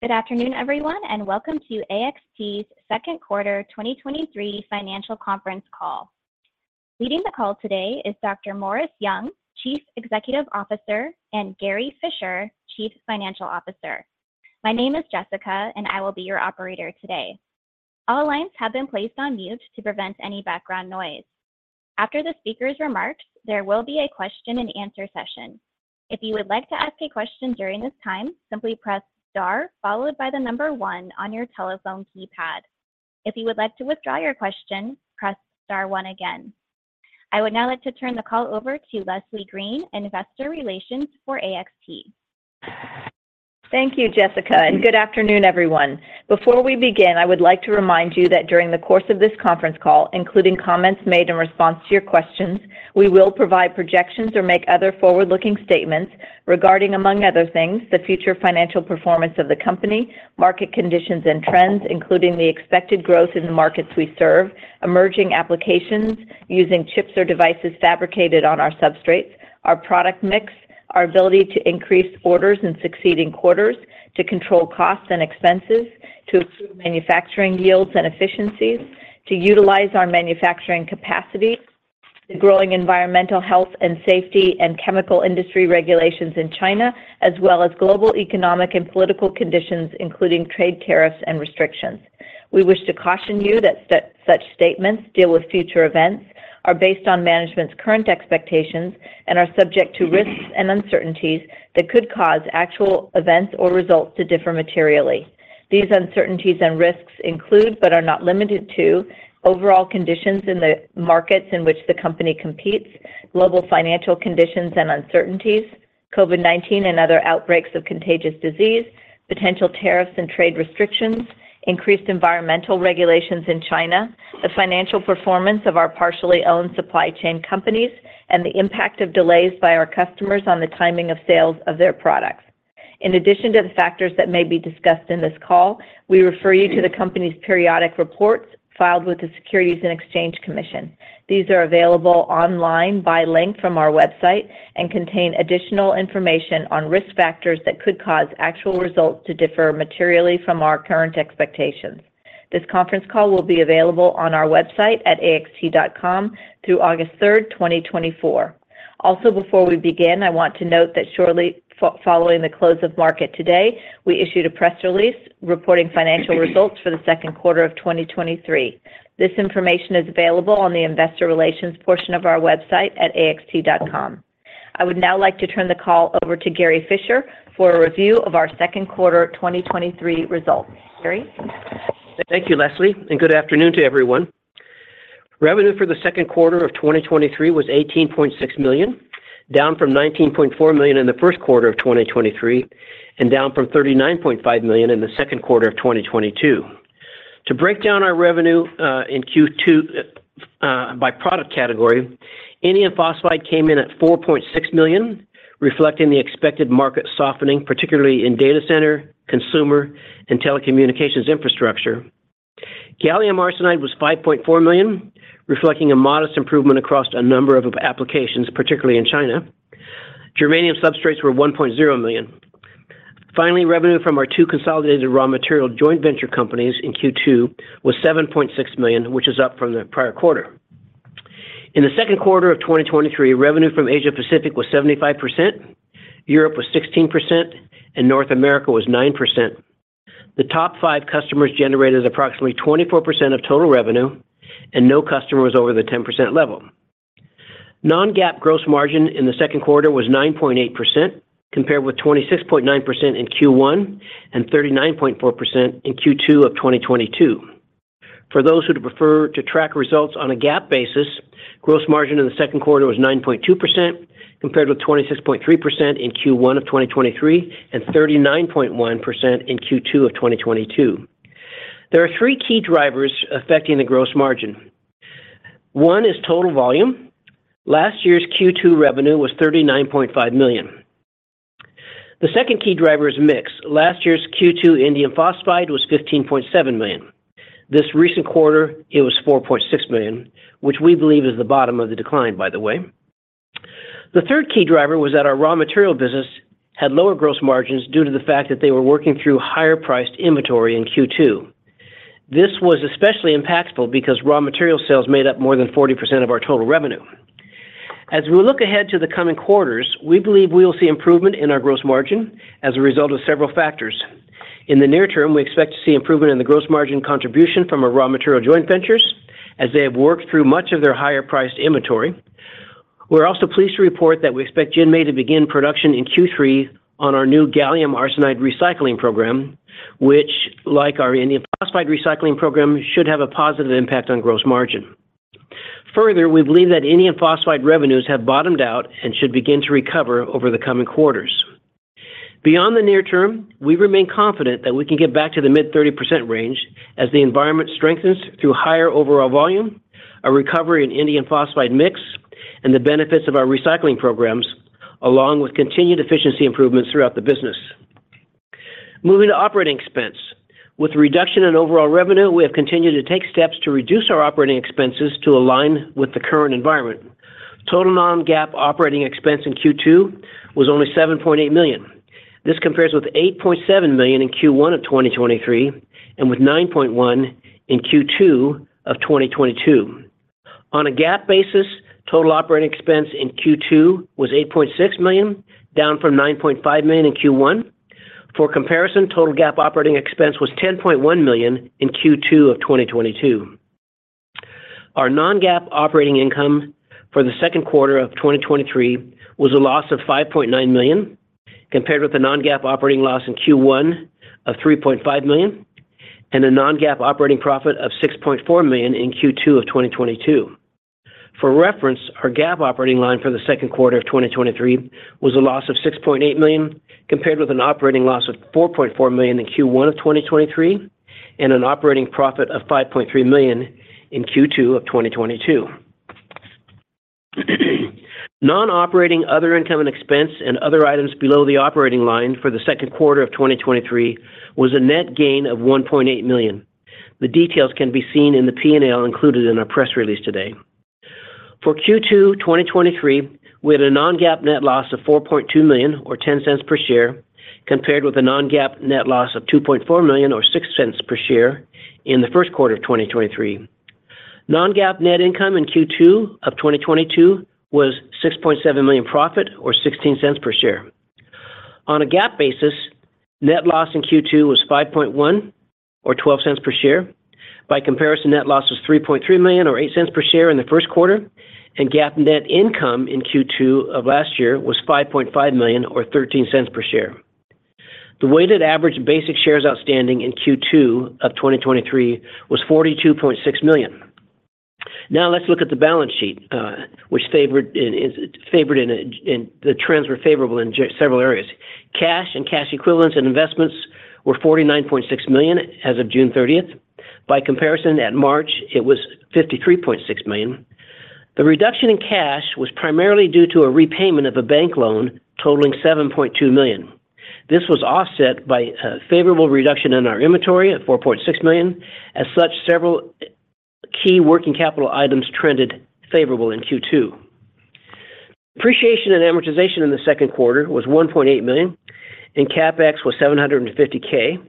Good afternoon, everyone, and welcome to AXT's second quarter 2023 financial conference call. Leading the call today is Morris S. Young, Chief Executive Officer, and Gary Fischer, Chief Financial Officer. My name is Jessica, and I will be your operator today. All lines have been placed on mute to prevent any background noise. After the speaker's remarks, there will be a question-and-answer session. If you would like to ask a question during this time, simply press Star followed by 1 on your telephone keypad. If you would like to withdraw your question, press Star 1 again. I would now like to turn the call over to Leslie Green, Investor Relations for AXT. Thank you, Jessica, and good afternoon, everyone. Before we begin, I would like to remind you that during the course of this conference call, including comments made in response to your questions, we will provide projections or make other forward-looking statements regarding, among other things, the future financial performance of the company, market conditions and trends, including the expected growth in the markets we serve, emerging applications, using chips or devices fabricated on our substrates, our product mix, our ability to increase orders in succeeding quarters, to control costs and expenses, to improve manufacturing yields and efficiencies, to utilize our manufacturing capacity, the growing environmental, health and safety, and chemical industry regulations in China, as well as global, economic, and political conditions, including trade tariffs and restrictions. We wish to caution you that such statements deal with future events, are based on management's current expectations, and are subject to risks and uncertainties that could cause actual events or results to differ materially. These uncertainties and risks include, but are not limited to: overall conditions in the markets in which the company competes, global financial conditions and uncertainties, COVID-19 and other outbreaks of contagious disease, potential tariffs and trade restrictions, increased environmental regulations in China, the financial performance of our partially owned supply chain companies, and the impact of delays by our customers on the timing of sales of their products. In addition to the factors that may be discussed in this call, we refer you to the company's periodic reports filed with the Securities and Exchange Commission. These are available online by link from our website and contain additional information on risk factors that could cause actual results to differ materially from our current expectations. This conference call will be available on our website at axt.com through August third, 2024. Also, before we begin, I want to note that shortly following the close of market today, we issued a press release reporting financial results for the second quarter of 2023. This information is available on the investor relations portion of our website at axt.com. I would now like to turn the call over to Gary Fischer for a review of our second quarter 2023 results. Gary? Thank you, Leslie, and good afternoon to everyone. Revenue for the second quarter of 2023 was $18.6 million, down from $19.4 million in the first quarter of 2023, and down from $39.5 million in the second quarter of 2022. To break down our revenue in Q2 by product category, indium phosphide came in at $4.6 million, reflecting the expected market softening, particularly in data center, consumer, and telecommunications infrastructure. Gallium arsenide was $5.4 million, reflecting a modest improvement across a number of applications, particularly in China. Germanium substrates were $1.0 million. Finally, revenue from our two consolidated raw material joint venture companies in Q2 was $7.6 million, which is up from the prior quarter. In the second quarter of 2023, revenue from Asia Pacific was 75%, Europe was 16%, and North America was 9%. The top five customers generated approximately 24% of total revenue, and no customer was over the 10% level. Non-GAAP gross margin in the second quarter was 9.8%, compared with 26.9% in Q1 and 39.4% in Q2 of 2022. For those who would prefer to track results on a GAAP basis, gross margin in the second quarter was 9.2%, compared with 26.3% in Q1 of 2023 and 39.1% in Q2 of 2022. There are three key drivers affecting the gross margin. One is total volume. Last year's Q2 revenue was $39.5 million. The second key driver is mix. Last year's Q2 indium phosphide was $15.7 million. This recent quarter, it was $4.6 million, which we believe is the bottom of the decline, by the way. The third key driver was that our raw material business had lower gross margins due to the fact that they were working through higher-priced inventory in Q2. This was especially impactful because raw material sales made up more than 40% of our total revenue. As we look ahead to the coming quarters, we believe we will see improvement in our gross margin as a result of several factors. In the near term, we expect to see improvement in the gross margin contribution from our raw material joint ventures as they have worked through much of their higher-priced inventory. We're also pleased to report that we expect JinMei to begin production in Q3 on our new gallium arsenide recycling program, which, like our indium phosphide recycling program, should have a positive impact on gross margin. Further, we believe that indium phosphide revenues have bottomed out and should begin to recover over the coming quarters. Beyond the near term, we remain confident that we can get back to the mid-30% range as the environment strengthens through higher overall volume, a recovery in indium phosphide mix, and the benefits of our recycling programs, along with continued efficiency improvements throughout the business. Moving to operating expense. With the reduction in overall revenue, we have continued to take steps to reduce our operating expenses to align with the current environment. Total non-GAAP operating expense in Q2 was only $7.8 million. This compares with $8.7 million in Q1 of 2023, and with $9.1 million in Q2 of 2022. On a GAAP basis, total operating expense in Q2 was $8.6 million, down from $9.5 million in Q1. For comparison, total GAAP operating expense was $10.1 million in Q2 of 2022. Our non-GAAP operating income for the second quarter of 2023 was a loss of $5.9 million, compared with a non-GAAP operating loss in Q1 of $3.5 million, and a non-GAAP operating profit of $6.4 million in Q2 of 2022. For reference, our GAAP operating line for the second quarter of 2023 was a loss of $6.8 million, compared with an operating loss of $4.4 million in Q1 of 2023, and an operating profit of $5.3 million in Q2 of 2022. Non-operating other income and expense and other items below the operating line for the second quarter of 2023 was a net gain of $1.8 million. The details can be seen in the P&L included in our press release today. For Q2, 2023, we had a non-GAAP net loss of $4.2 million, or $0.10 per share, compared with a non-GAAP net loss of $2.4 million, or $0.06 per share, in the first quarter of 2023. Non-GAAP net income in Q2 of 2022 was $6.7 million profit or $0.16 per share. On a GAAP basis, net loss in Q2 was $5.1 million or $0.12 per share. By comparison, net loss was $3.3 million or $0.08 per share in the first quarter, and GAAP net income in Q2 of last year was $5.5 million or $0.13 per share. The weighted average basic shares outstanding in Q2 of 2023 was 42.6 million. Let's look at the balance sheet, the trends were favorable in several areas. Cash and cash equivalents and investments were $49.6 million as of June thirtieth. By comparison, at March, it was $53.6 million. The reduction in cash was primarily due to a repayment of a bank loan totaling $7.2 million. This was offset by a favorable reduction in our inventory of $4.6 million. Several key working capital items trended favorable in Q2. Depreciation and amortization in the second quarter was $1.8 million, and CapEx was $750K.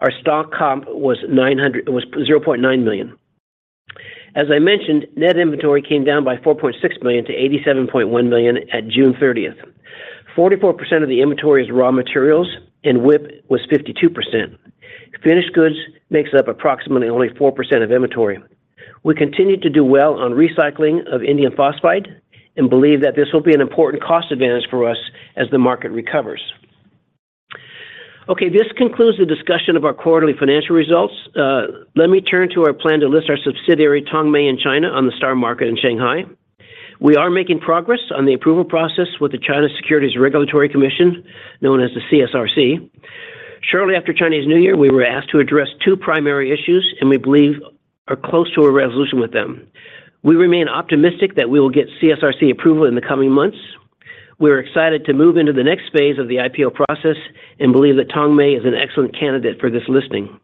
Our stock comp was $0.9 million. As I mentioned, net inventory came down by $4.6 million to $87.1 million at June thirtieth. 44% of the inventory is raw materials, and WIP was 52%. Finished goods makes up approximately only 4% of inventory. We continue to do well on recycling of indium phosphide and believe that this will be an important cost advantage for us as the market recovers. Okay, this concludes the discussion of our quarterly financial results. Let me turn to our plan to list our subsidiary, Tongmei, in China, on the STAR Market in Shanghai. We are making progress on the approval process with the China Securities Regulatory Commission, known as the CSRC. Shortly after Chinese New Year, we were asked to address two primary issues, and we believe are close to a resolution with them. We remain optimistic that we will get CSRC approval in the coming months. We are excited to move into the next phase of the IPO process and believe that Tongmei is an excellent candidate for this listing.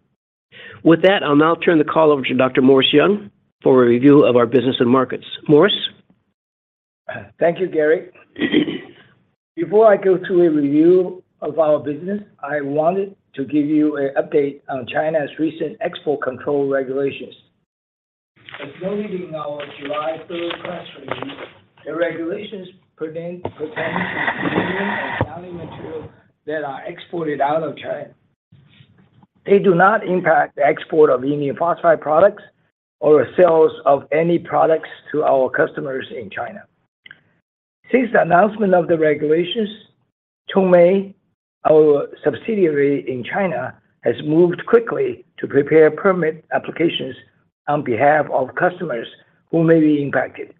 With that, I'll now turn the call over to Morris S. Young for a review of our business and markets. Morris? Thank you, Gary. Before I go to a review of our business, I wanted to give you an update on China's recent export control regulations. As noted in our July 3rd press release, the regulations prevent potentially any foundational material that are exported out of China. They do not impact the export of indium phosphide products or sales of any products to our customers in China. Since the announcement of the regulations, Tongmei, our subsidiary in China, has moved quickly to prepare permit applications on behalf of customers who may be impacted.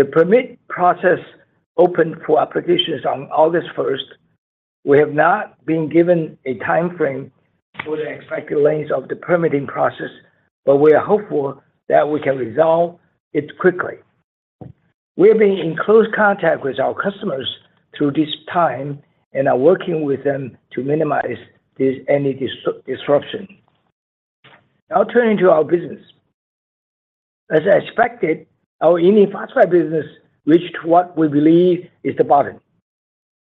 The permit process opened for applications on August 1st. We have not been given a timeframe for the expected length of the permitting process, but we are hopeful that we can resolve it quickly. We have been in close contact with our customers through this time and are working with them to minimize any disruption. Now, turning to our business. As expected, our indium phosphide business reached what we believe is the bottom,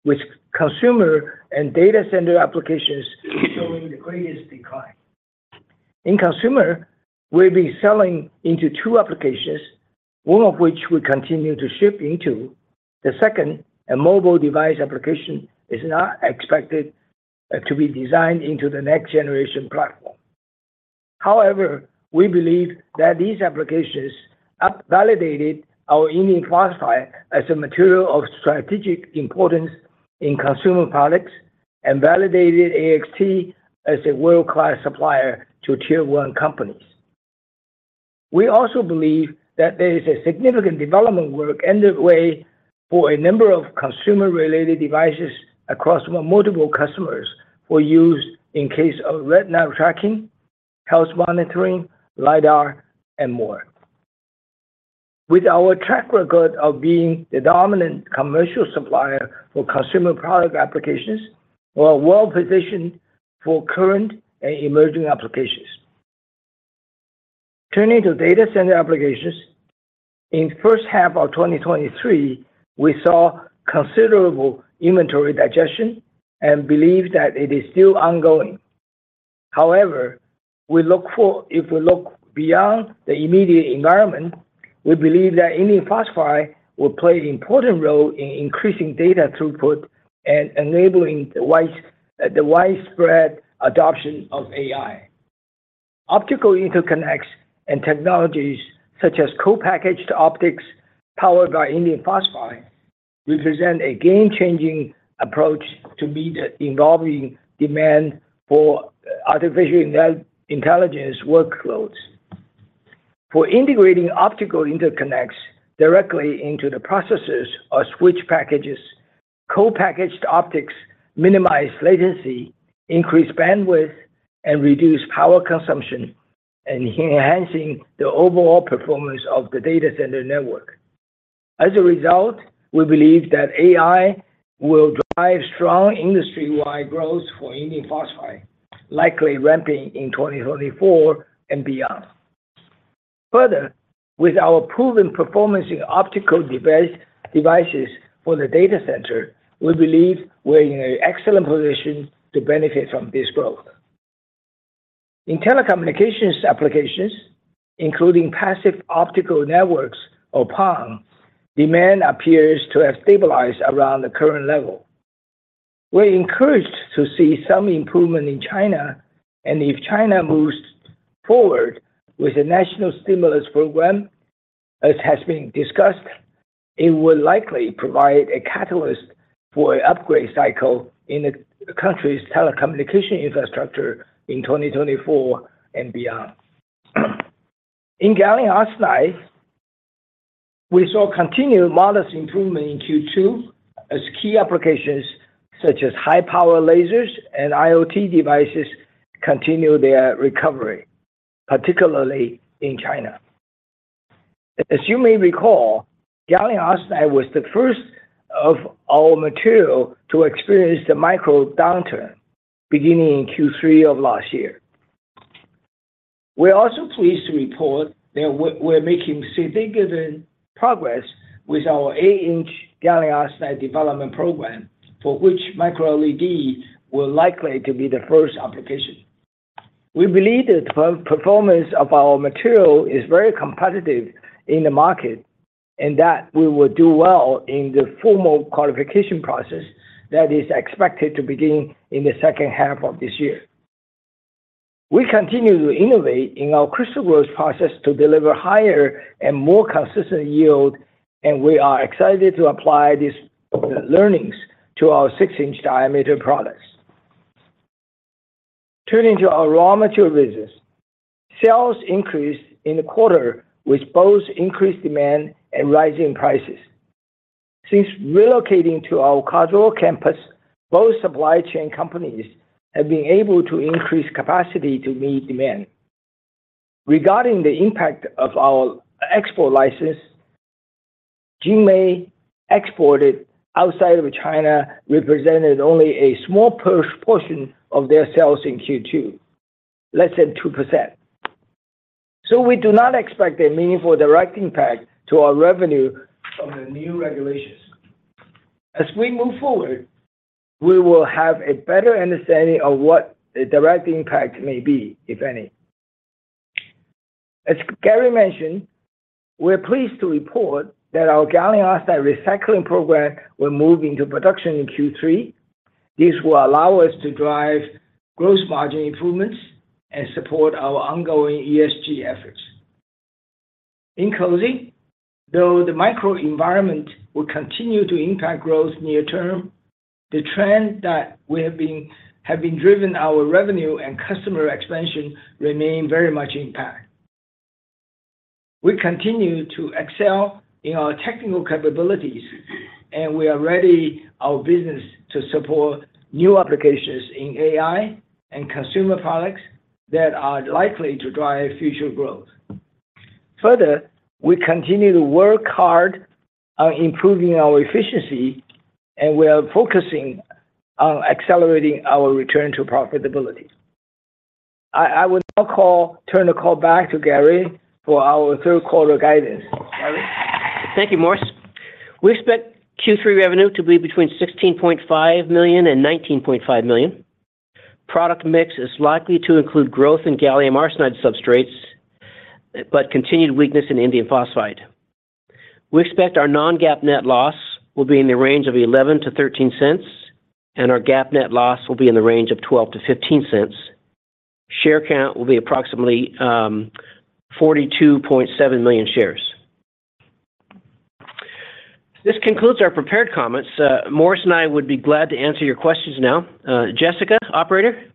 with consumer and data center applications showing the greatest decline. In consumer, we've been selling into two applications, one of which we continue to ship into. The second, a mobile device application, is not expected to be designed into the next generation platform. However, we believe that these applications have validated our indium phosphide as a material of strategic importance in consumer products and validated AXT as a world-class supplier to Tier 1 companies. We also believe that there is a significant development work underway for a number of consumer-related devices across multiple customers for use in case of retinal tracking, health monitoring, LiDAR, and more. With our track record of being the dominant commercial supplier for consumer product applications, we are well positioned for current and emerging applications. Turning to data center applications, in the first half of 2023, we saw considerable inventory digestion and believe that it is still ongoing. However, if we look beyond the immediate environment, we believe that indium phosphide will play an important role in increasing data throughput and enabling the widespread adoption of AI. Optical interconnects and technologies, such as co-packaged optics powered by indium phosphide, represent a game-changing approach to meet the evolving demand for artificial intelligence workloads. For integrating optical interconnects directly into the processes or switch packages, co-packaged optics minimize latency, increase bandwidth, and reduce power consumption, enhancing the overall performance of the data center network. As a result, we believe that AI will drive strong industry-wide growth for indium phosphide, likely ramping in 2024 and beyond. Further, with our proven performance in optical devices for the data center, we believe we're in an excellent position to benefit from this growth. In telecommunications applications, including passive optical networks, or PON, demand appears to have stabilized around the current level. We're encouraged to see some improvement in China. If China moves forward with a national stimulus program, as has been discussed, it will likely provide a catalyst for an upgrade cycle in the country's telecommunication infrastructure in 2024 and beyond. In gallium arsenide, we saw continued modest improvement in Q2 as key applications, such as high-power lasers and IoT devices, continue their recovery, particularly in China. As you may recall, gallium arsenide was the first of our material to experience the macro downturn, beginning in Q3 of last year. We're also pleased to report that we're, we're making significant progress with our eight-inch gallium arsenide development program, for which micro LED will likely to be the first application. We believe the per- performance of our material is very competitive in the market, and that we will do well in the formal qualification process that is expected to begin in the second half of this year. We continue to innovate in our crystal growth process to deliver higher and more consistent yield, and we are excited to apply these learnings to our six-inch diameter products. Turning to our raw material business. Sales increased in the quarter, with both increased demand and rising prices. Since relocating to our Caldwell, Idaho, both supply chain companies have been able to increase capacity to meet demand. Regarding the impact of our export license, JinMei exported outside of China, represented only a small portion of their sales in Q2, less than 2%. We do not expect a meaningful direct impact to our revenue from the new regulations. As we move forward, we will have a better understanding of what the direct impact may be, if any. As Gary mentioned, we're pleased to report that our gallium arsenide recycling program will move into production in Q3. This will allow us to drive gross margin improvements and support our ongoing ESG efforts. In closing, though the macro environment will continue to impact growth near term, the trend that we have been, have been driven our revenue and customer expansion remain very much intact. We continue to excel in our technical capabilities, and we are ready our business to support new applications in AI and consumer products that are likely to drive future growth. Further, we continue to work hard on improving our efficiency, and we are focusing on accelerating our return to profitability. I will now turn the call back to Gary for our third quarter guidance. Gary? Thank you, Morris. We expect Q3 revenue to be between $16.5 million and $19.5 million. Product mix is likely to include growth in gallium arsenide substrates, but continued weakness in indium phosphide. We expect our non-GAAP net loss will be in the range of $0.11-$0.13, and our GAAP net loss will be in the range of $0.12-$0.15. Share count will be approximately 42.7 million shares. This concludes our prepared comments. Morris and I would be glad to answer your questions now. Jessica, operator?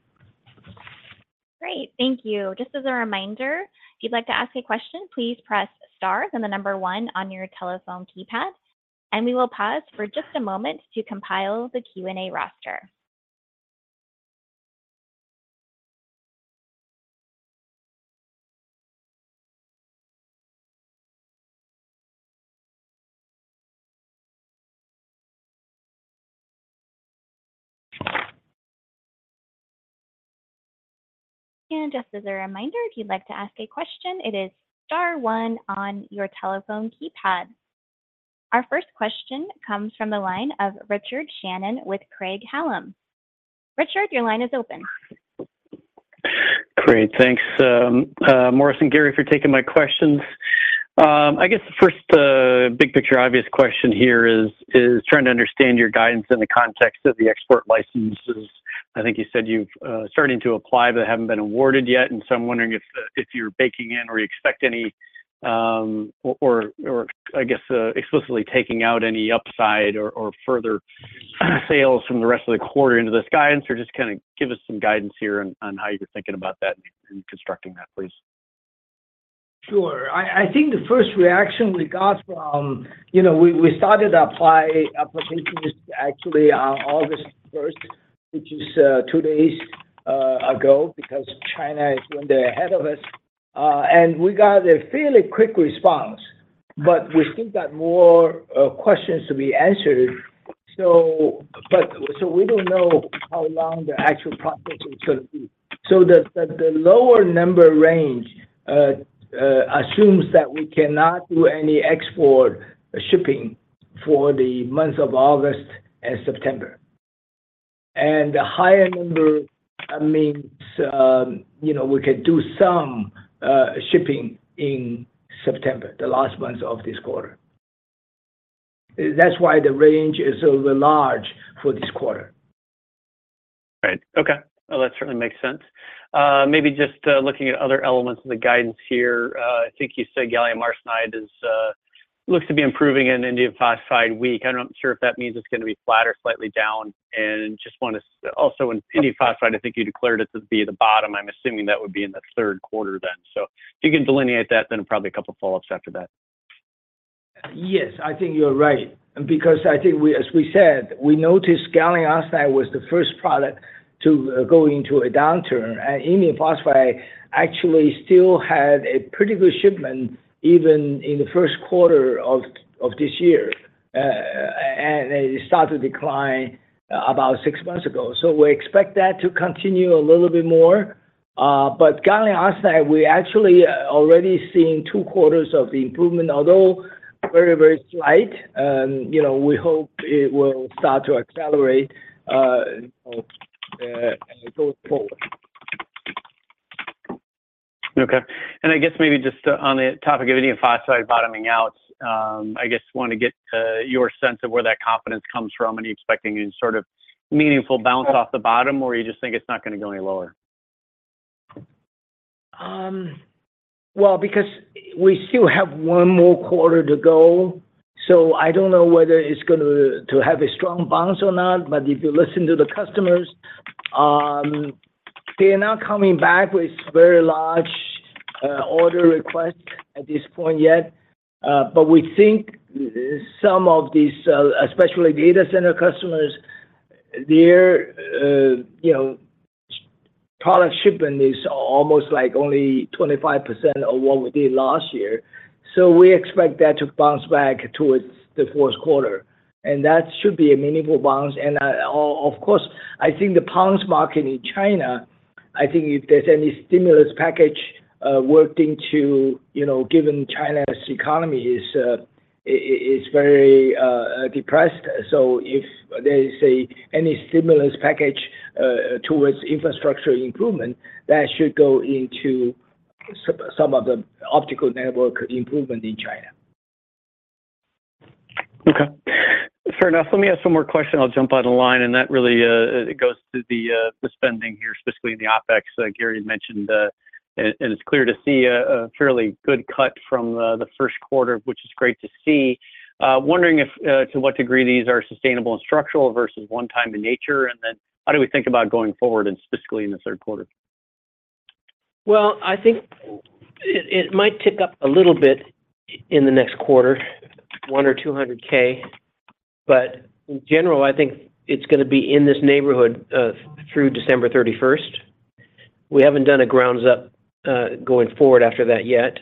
Great, thank you. Just as a reminder, if you'd like to ask a question, please press star and the number one on your telephone keypad, and we will pause for just a moment to compile the Q&A roster. Just as a reminder, if you'd like to ask a question, it is star one on your telephone keypad. Our first question comes from the line of Richard Shannon with Craig-Hallum. Richard, your line is open. Great. Thanks, Morris and Gary, for taking my questions. I guess the first big picture obvious question here is, is trying to understand your guidance in the context of the export licenses. I think you said you've starting to apply, but haven't been awarded yet. So I'm wondering if, if you're baking in or you expect any, or, or, I guess, explicitly taking out any upside or, or further sales from the rest of the quarter into this guidance, or just kinda give us some guidance here on, on how you're thinking about that and constructing that, please. Sure. I, I think the first reaction we got from, you know, we, we started to apply applications actually on August 1st, which is two days ago, because China is one day ahead of us. We got a fairly quick response, but we still got more questions to be answered. So we don't know how long the actual process will take. The, the, the lower number range assumes that we cannot do any export shipping for the months of August and September. The higher number means, you know, we can do some shipping in September, the last month of this quarter. That's why the range is over large for this quarter. Right. Okay, well, that certainly makes sense. maybe just looking at other elements of the guidance here, I think you said gallium arsenide is looks to be improving in indium phosphide week. I'm not sure if that means it's gonna be flat or slightly down, and just want to-- also, in indium phosphide, I think you declared it to be the bottom. I'm assuming that would be in the third quarter then. If you can delineate that, then probably a couple of follow-ups after that. Yes, I think you're right. I think we, as we said, we noticed gallium arsenide was the 1st product to go into a downturn, and indium phosphide actually still had a pretty good shipment, even in the 1st quarter of this year. It started to decline about six months ago. We expect that to continue a little bit more. gallium arsenide, we actually already seeing two quarters of the improvement, although very, very slight. You know, we hope it will start to accelerate as it goes forward. Okay. I guess maybe just on the topic of indium phosphide bottoming out, I guess want to get your sense of where that confidence comes from, and you're expecting a sort of meaningful bounce off the bottom, or you just think it's not gonna go any lower? Well, because we still have one more quarter to go, so I don't know whether it's going to, to have a strong bounce or not. If you listen to the customers, they are not coming back with very large order requests at this point yet. We think some of these, especially data center customers, they're, you know, product shipping is almost like only 25% of what we did last year. We expect that to bounce back towards the fourth quarter, and that should be a meaningful bounce. Of course, I think the compound market in China, I think if there's any stimulus package worked into, you know, given China's economy is, is very depressed. If there is any stimulus package, towards infrastructure improvement, that should go into some of the optical network improvement in China. Okay, fair enough. Let me ask one more question, I'll jump on the line, and that really, it goes to the, the spending here, specifically in the OpEx, Gary mentioned, and, and it's clear to see a, a fairly good cut from, the first quarter, which is great to see. Wondering if, to what degree these are sustainable and structural versus one time in nature, and then how do we think about going forward and specifically in the third quarter? Well, I think it, it might tick up a little bit in the next quarter, 100K or 200K. In general, I think it's gonna be in this neighborhood through December 31st. We haven't done a grounds up going forward after that yet.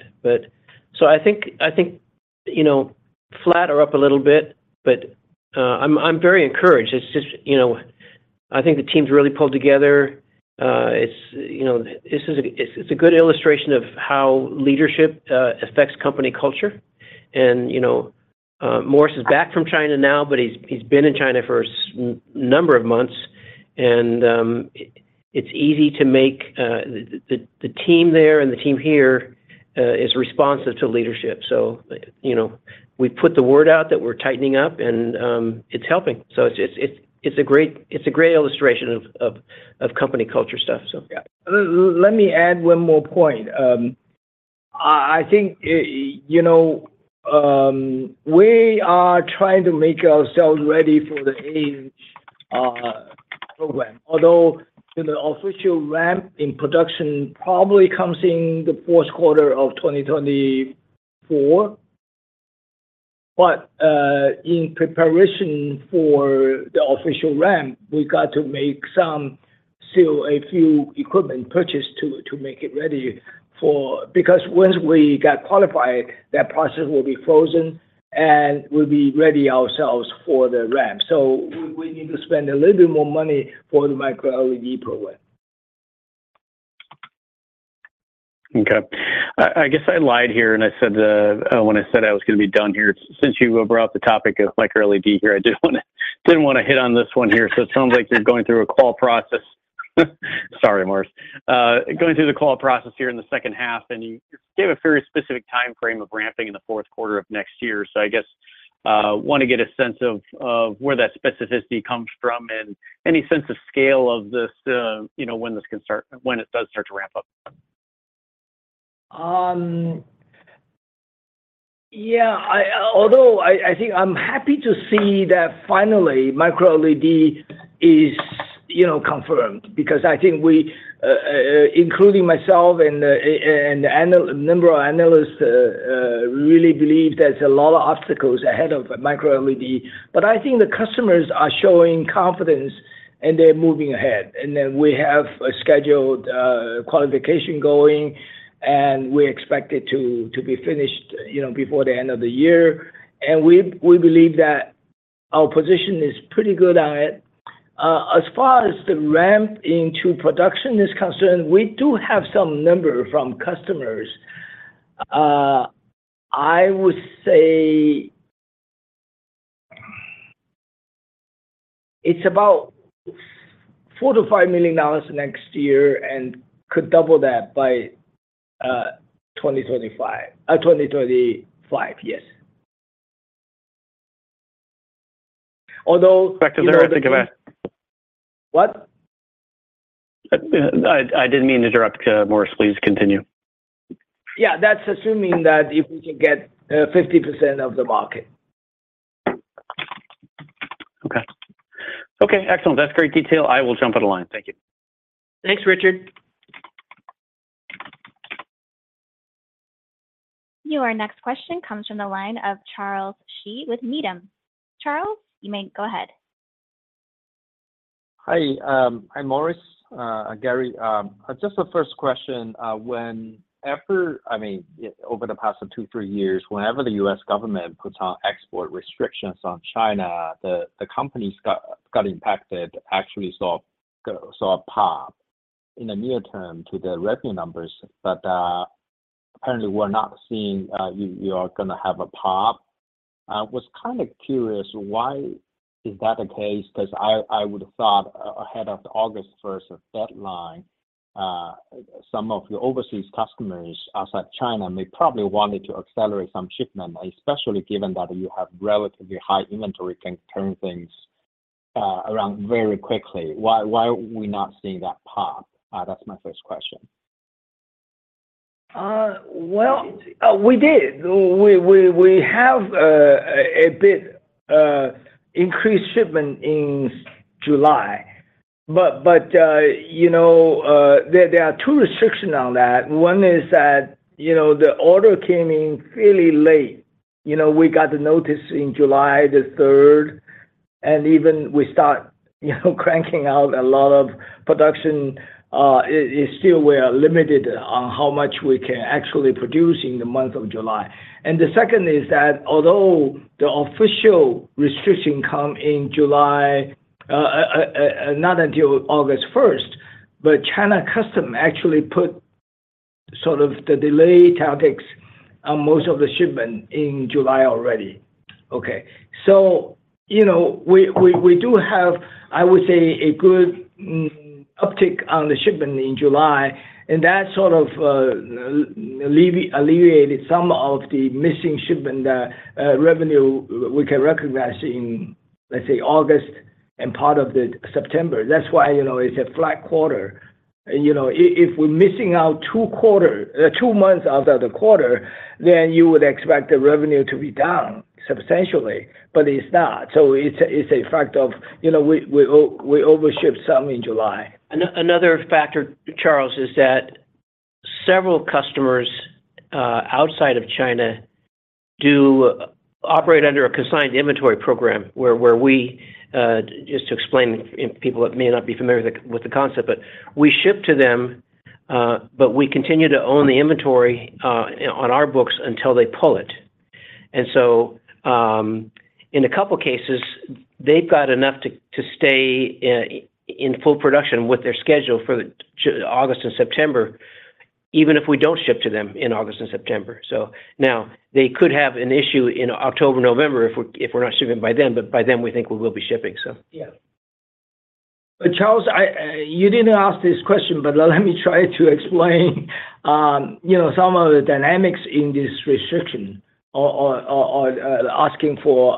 I think, I think, you know, flat or up a little bit, but I'm, I'm very encouraged. It's just, you know, I think the teams really pulled together. It's, you know, this is a, it's a good illustration of how leadership affects company culture. You know, Morris is back from China now, but he's, he's been in China for number of months, and, it, it's easy to make the, the, the team there and the team here is responsive to leadership. You know, we put the word out that we're tightening up, and it's helping. It's, it's, it's a great, it's a great illustration of, of, of company culture stuff. Yeah. Let me add one more point. I, I think, you know, we are trying to make ourselves ready for the 8-inch program, although, you know, the official ramp in production probably comes in the fourth quarter of 2024. In preparation for the official ramp, we got to make still a few equipment purchased to, to make it ready for, because once we got qualified, that process will be frozen, and we'll be ready ourselves for the ramp. We, we need to spend a little bit more money for the micro LED program. Okay. I, I guess I lied here, and I said, when I said I was gonna be done here. Since you brought up the topic of micro LED here, I just wanna, didn't wanna hit on this one here. It sounds like you're going through a call process. Sorry, Morris. Going through the call process here in the second half, and you gave a very specific time frame of ramping in the fourth quarter of next year. I guess, wanna get a sense of, of where that specificity comes from and any sense of scale of this, you know, when this can start, when it does start to ramp up. Yeah, I, although I, I think I'm happy to see that finally micro LED is, you know, confirmed. Because I think we, including myself and a number of analysts, really believe there's a lot of obstacles ahead of micro LED. I think the customers are showing confidence, and they're moving ahead. We have a scheduled qualification going, and we expect it to be finished, you know, before the end of the year. We, we believe that our position is pretty good on it. As far as the ramp into production is concerned, we do have some number from customers. I would say it's about $4 million-$5 million next year and could double that by 2025, yes. Back to. What? I, I didn't mean to interrupt, Morris. Please continue. Yeah, that's assuming that if we can get, 50% of the market. Okay. Okay, excellent. That's great detail. I will jump on the line. Thank you. Thanks, Richard. Your next question comes from the line of Charles Shi with Needham. Charles, you may go ahead. Hi, hi, Morris, Gary. Just the 1st question, when after, I mean, over the past two, three years, whenever the U.S. government puts on export restrictions on China, the, the companies got, got impacted, actually saw, saw a pop in the near term to the revenue numbers. Apparently, we're not seeing, you, you are gonna have a pop. I was kind of curious, why is that the case? Because I, I would have thought ahead of the August 1st of deadline, some of your overseas customers outside China may probably wanted to accelerate some shipment, especially given that you have relatively high inventory, can turn things around very quickly. Why, why are we not seeing that pop? That's my 1st question. Well, we did. We, we, we have a bit increased shipment in July. But, you know, there, there are two restrictions on that. One is that, you know, the order came in fairly late. You know, we got the notice in July 3rd, and even we start, you know, cranking out a lot of production, it's still we are limited on how much we can actually produce in the month of July. The second is that although the official restriction come in July, not until August 1st, but China custom actually put sort of the delay tactics on most of the shipment in July already, okay. You know, we, we, we do have, I would say, a good uptick on the shipment in July, and that sort of alleviated some of the missing shipment revenue we can recognize in, let's say, August and part of the September. That's why, you know, it's a flat quarter. You know, if we're missing out two quarter, two months out of the quarter, then you would expect the revenue to be down substantially, but it's not. It's a, it's a fact of, you know, we, we, we overshipped some in July. Another factor, Charles, is that several customers outside of China do operate under a consigned inventory program, where, where we, just to explain, if people may not be familiar with the, with the concept, but we ship to them, but we continue to own the inventory on our books until they pull it. In a couple cases, they've got enough to, to stay in full production with their schedule for August and September, even if we don't ship to them in August and September. Now, they could have an issue in October, November, if we, if we're not shipping by then, but by then we think we will be shipping, so. Yeah. Charles, I, you didn't ask this question, but let me try to explain, you know, some of the dynamics in this restriction or asking for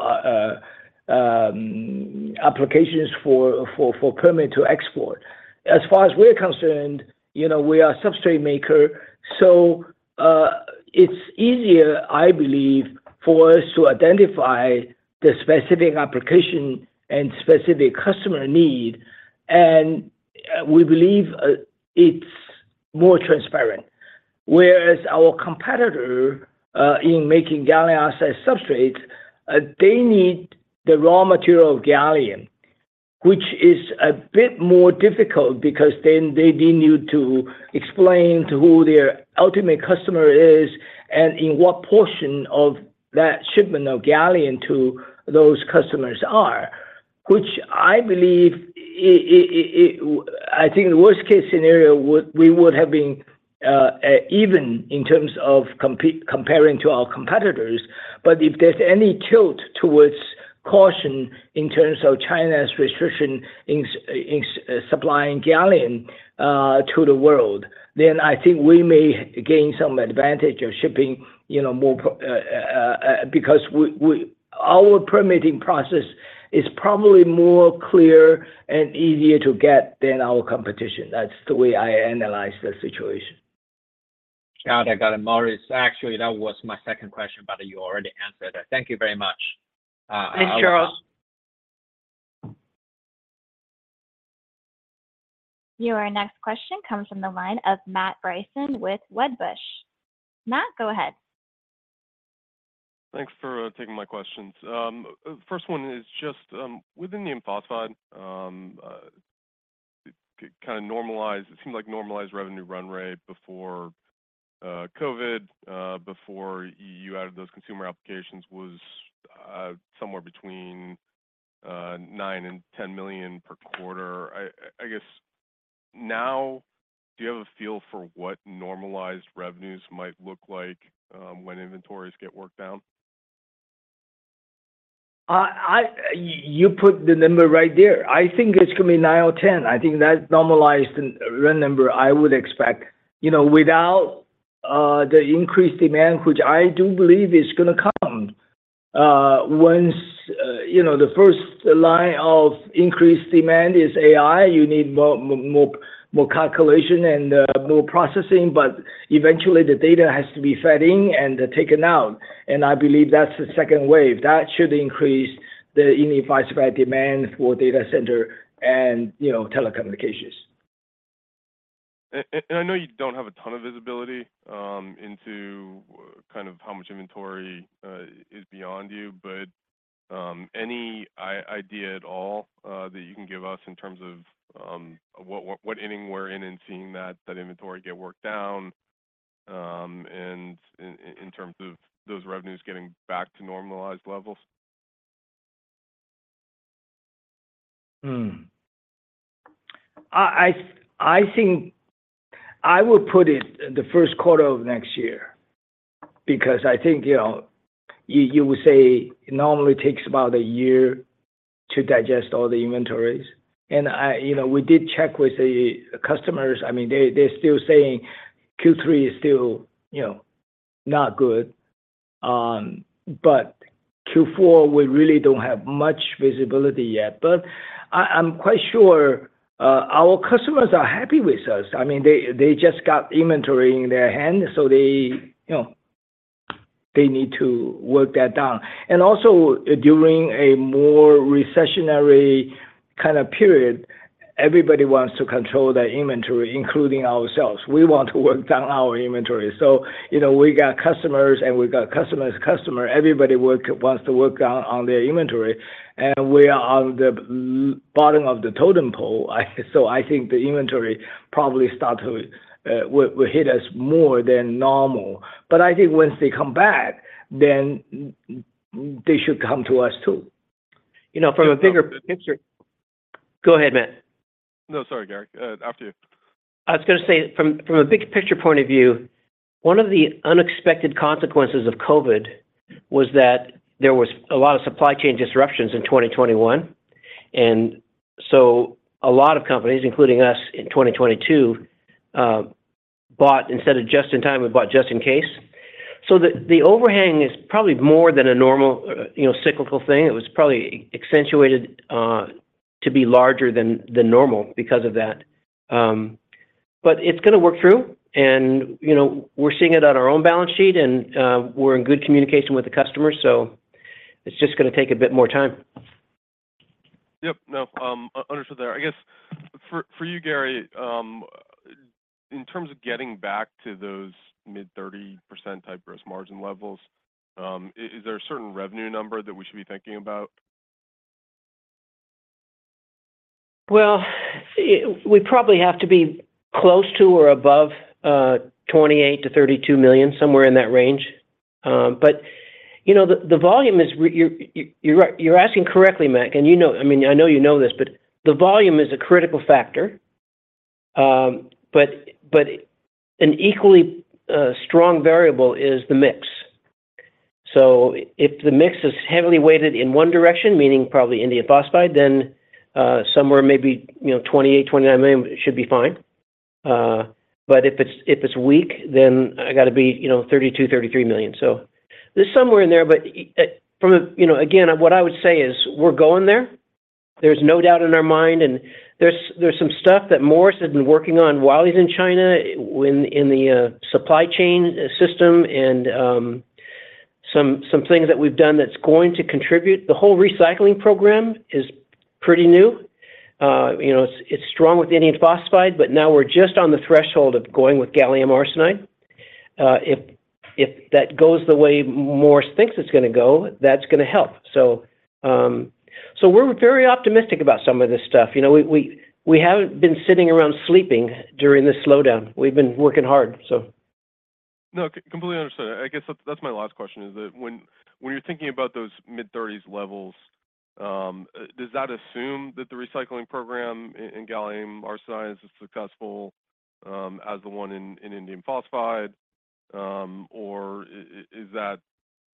applications for permit to export. As far as we're concerned, you know, we are substrate maker, so, it's easier, I believe, for us to identify the specific application and specific customer need, and, we believe, it's more transparent. Whereas our competitor, in making gallium oxide substrate, they need the raw material of gallium, which is a bit more difficult because then they need to explain to who their ultimate customer is, and in what portion of that shipment of gallium to those customers are, which I believe I think the worst case scenario we would have been even in terms of comparing to our competitors. If there's any tilt towards caution in terms of China's restriction in supplying gallium to the world, then I think we may gain some advantage of shipping, you know, more pro because we, our permitting process is probably more clear and easier to get than our competition. That's the way I analyze the situation. Got it, got it. Morris, actually, that was my second question, but you already answered it. Thank you very much. Thanks, Charles. Your next question comes from the line of Matt Bryson with Wedbush. Matt, go ahead. Thanks for taking my questions. The first one is just, within the indium phosphide, kind of normalized, it seems like normalized revenue run rate before COVID, before you added those consumer applications, was, somewhere between $9 million and $10 million per quarter. I, I guess now, do you have a feel for what normalized revenues might look like, when inventories get worked down? You put the number right there. I think it's gonna be nine or 10. I think that's normalized run number I would expect. You know, without the increased demand, which I do believe is gonna come, once, you know, the first line of increased demand is AI, you need more, more, more calculation and more processing, eventually the data has to be fed in and taken out, I believe that's the second wave. That should increase the indium phosphide demand for data center and, you know, telecommunications. I know you don't have a ton of visibility, into kind of how much inventory, is beyond you, but, any idea at all, that you can give us in terms of, what, what inning we're in in seeing that, that inventory get worked down, and in terms of those revenues getting back to normalized levels? I think I would put it in the first quarter of next year, because I think, you know, you would say it normally takes about a year to digest all the inventories. You know, we did check with the customers. I mean, they're still saying Q3 is still, you know, not good. Q4, we really don't have much visibility yet. I'm quite sure our customers are happy with us. I mean, they just got inventory in their hand, so they, you know, they need to work that down. Also, during a more recessionary kind of period, everybody wants to control their inventory, including ourselves. We want to work down our inventory. You know, we got customers, and we got customers' customer, everybody wants to work down on their inventory, and we are on the bottom of the totem pole. I think the inventory probably start to will hit us more than normal. I think once they come back, then they should come to us too. You know, from a bigger picture- Go ahead, Matt. No, sorry, Gary, after you. I was gonna say, from, from a big picture point of view, one of the unexpected consequences of COVID was that there was a lot of supply chain disruptions in 2021. A lot of companies, including us in 2022, bought, instead of just in time, we bought just in case. The, the overhang is probably more than a normal, you know, cyclical thing. It was probably accentuated to be larger than, than normal because of that. It's gonna work through, and, you know, we're seeing it on our own balance sheet, and we're in good communication with the customer, it's just gonna take a bit more time. Yep. No, understood there. I guess for, for you, Gary, in terms of getting back to those mid 30% type gross margin levels, is there a certain revenue number that we should be thinking about? Well, we probably have to be close to or above, $28 million-$32 million, somewhere in that range. You know, the volume is, you're right, you're asking correctly, Matt, and you know, I mean, I know you know this, but the volume is a critical factor. But an equally strong variable is the mix. If the mix is heavily weighted in one direction, meaning probably indium phosphide, then somewhere maybe, you know, $28 million-$29 million should be fine. If it's, if it's weak, then I got to be, you know, $32 million-$33 million. There's somewhere in there, from a, you know, again, what I would say is, we're going there. There's no doubt in our mind, there's some stuff that Morris has been working on while he's in China, when, in the supply chain system, some things that we've done that's going to contribute, the whole recycling program is pretty new. You know, it's strong with indium phosphide, but now we're just on the threshold of going with gallium arsenide. If that goes the way Morris thinks it's gonna go, that's gonna help. We're very optimistic about some of this stuff. You know, we haven't been sitting around sleeping during this slowdown. We've been working hard, so. No, completely understood. I guess that's, that's my last question, is that when, when you're thinking about those mid-30s levels, does that assume that the recycling program in gallium arsenide is as successful as the one in, in indium phosphide? Or is that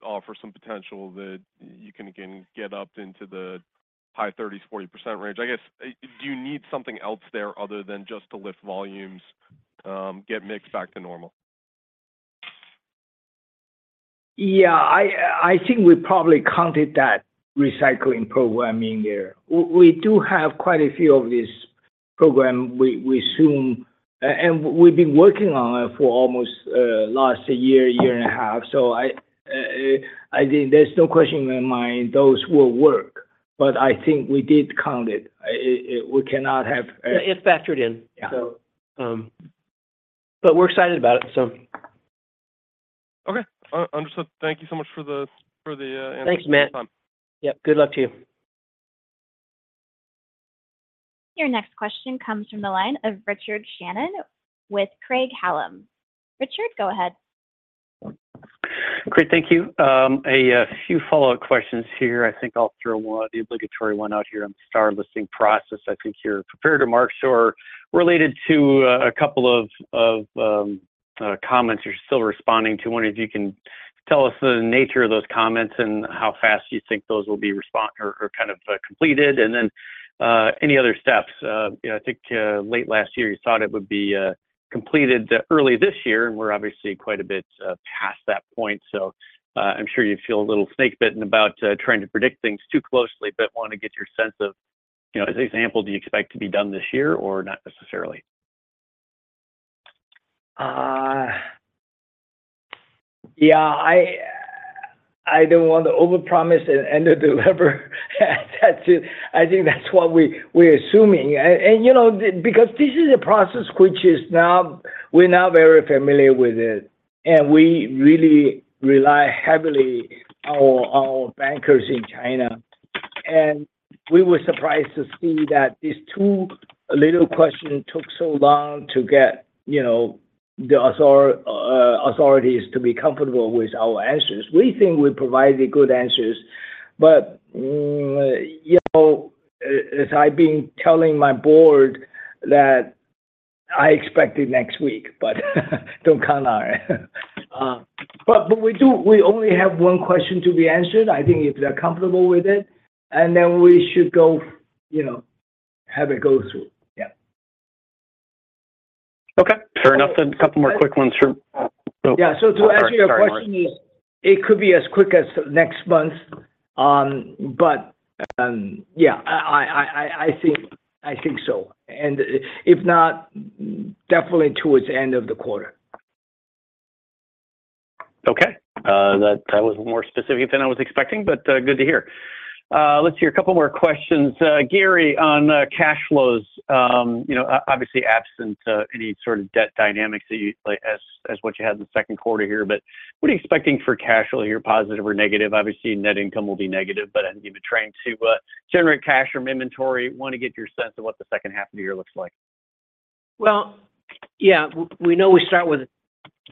offer some potential that you can, again, get up into the high 30s, 40% range? I guess, do you need something else there other than just to lift volumes, get mix back to normal? Yeah, I, I think we probably counted that recycling program in there. W-we do have quite a few of this program. We, we soon... We've been working on it for almost last year, year and a half. I, I think there's no question in my mind those will work, but I think we did count it. It, we cannot have- It's factored in. Yeah. But we're excited about it, so. Okay. understood. Thank you so much for the, for the, answers- Thanks, Matt. and time. Yep, good luck to you. Your next question comes from the line of Richard Shannon with Craig-Hallum. Richard, go ahead. Great, thank you. A few follow-up questions here. I think I'll throw one, the obligatory one out here on the STAR listing process. I think you're prepared to mark sure related to a couple of, of comments you're still responding to. Wonder if you can tell us the nature of those comments and how fast you think those will be respond or kind of, completed, and then, any other steps? You know, I think late last year, you thought it would be completed early this year, and we're obviously quite a bit past that point. I'm sure you feel a little snake bitten about trying to predict things too closely, but want to get your sense of, you know, as an example, do you expect to be done this year or not necessarily? Yeah, I, I don't want to overpromise and, and underdeliver. That's it. I think that's what we, we're assuming. You know, because this is a process which is now, we're now very familiar with it, and we really rely heavily on our bankers in China. We were surprised to see that these two little questions took so long to get, you know, the author, authorities to be comfortable with our answers. We think we provided good answers, but, you know, as I've been telling my board, that I expect it next week, but don't count on it. We only have one question to be answered. I think if they're comfortable with it, and then we should go, you know, have it go through. Yeah. Okay, fair enough. A couple more quick ones. Yeah, to answer your question. Sorry, Morris. it could be as quick as next month. yeah, I think so. If not, definitely towards the end of the quarter. Okay. That, that was more specific than I was expecting, but good to hear. Let's hear a couple more questions. Gary, on cash flows, you know, obviously absent any sort of debt dynamics that you, like, as, as what you had in the second quarter here, but what are you expecting for cash flow here, positive or negative? Obviously, net income will be negative, but I think you've been trying to generate cash from inventory. Want to get your sense of what the second half of the year looks like? Well, yeah, we know we start with,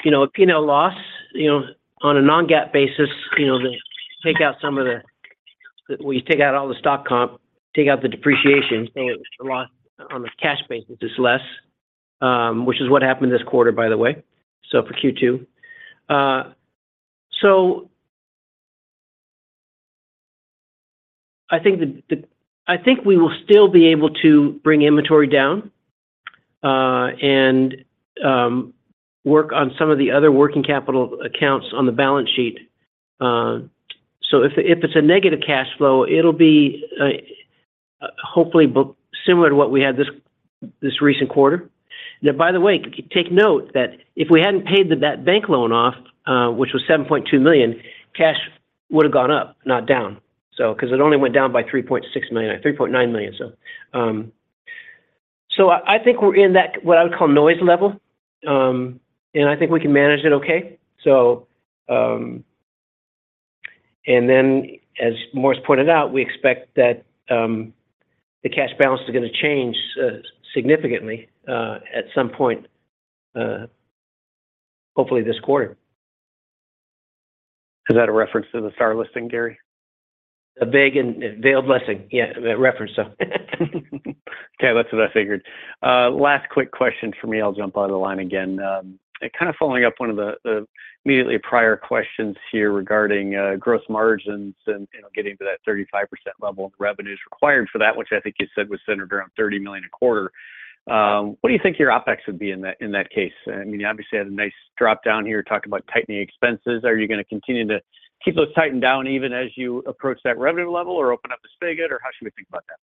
you know, a P&L loss, you know, on a non-GAAP basis, you know. We take out all the stock comp, take out the depreciation, the loss on the cash basis is less, which is what happened this quarter, by the way, so for Q2. I think we will still be able to bring inventory down and work on some of the other working capital accounts on the balance sheet. If it's a negative cash flow, it'll be, hopefully, similar to what we had this, this recent quarter. By the way, take note that if we hadn't paid that bank loan off, which was $7.2 million, cash would have gone up, not down. 'Cause it only went down by $3.6 million, $3.9 million. I, I think we're in that, what I would call noise level, and I think we can manage it okay. As Morris pointed out, we expect that the cash balance is gonna change significantly at some point, hopefully this quarter. Is that a reference to the STAR listing, Gary? A big and veiled blessing. Yeah, a reference, so. Okay, that's what I figured. Last quick question for me, I'll jump out of the line again. Kind of following up one of the, the immediately prior questions here regarding gross margins and, you know, getting to that 35% level of revenues required for that, which I think you said was centered around $30 million a quarter. What do you think your OpEx would be in that, in that case? I mean, you obviously had a nice drop down here talking about tightening expenses. Are you gonna continue to keep those tightened down even as you approach that revenue level or open up the spigot, or how should we think about that?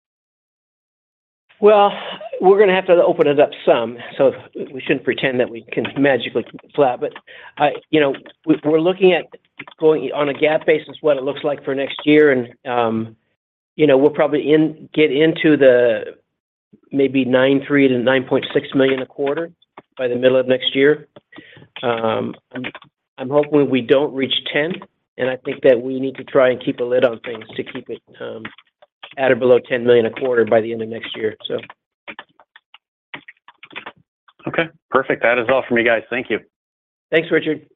Well, we're gonna have to open it up some, so we shouldn't pretend that we can magically flat, but you know, we're looking at going on a GAAP basis, what it looks like for next year, and, you know, we're probably get into the maybe $9.3 million-$9.6 million a quarter by the middle of next year. I'm hoping we don't reach $10 million, and I think that we need to try and keep a lid on things to keep it, at or below $10 million a quarter by the end of next year, so. Okay, perfect. That is all from you guys. Thank you. Thanks, Richard.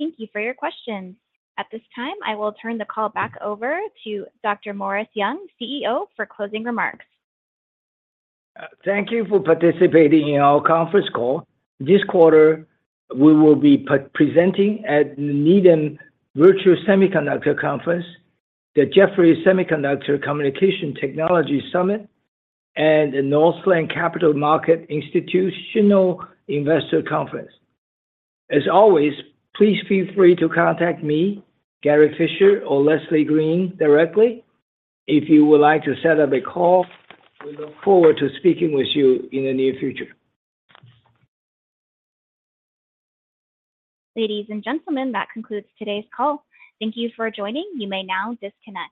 Thank you for your question. At this time, I will turn the call back over to Morris S. Young, CEO, for closing remarks. Thank you for participating in our conference call. This quarter, we will be presenting at Needham Virtual Semiconductor Conference, the Jefferies Semiconductor Communication Technology Summit, and the Northland Capital Markets Institutional Investor Conference. As always, please feel free to contact me, Gary Fischer, or Leslie Green directly if you would like to set up a call. We look forward to speaking with you in the near future. Ladies and gentlemen, that concludes today's call. Thank you for joining. You may now disconnect.